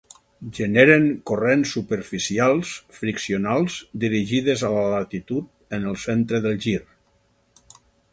Generen corrents superficials friccionals dirigides a la latitud en el centre del gir.